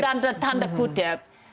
yang dalam tanda kutip